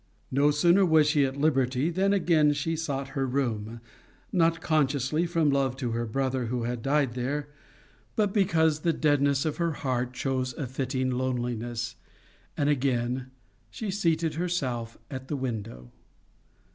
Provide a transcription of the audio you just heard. No sooner was she at liberty than again she sought her room, not consciously from love to her brother who had died there, but because the deadness of her heart chose a fitting loneliness: and again she seated herself at the window.